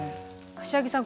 柏木さん